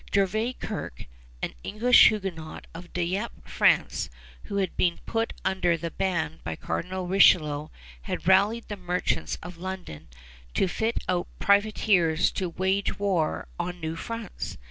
Gervais Kirke, an English Huguenot of Dieppe, France, who had been put under the ban by Cardinal Richelieu, had rallied the merchants of London to fit out privateers to wage war on New France.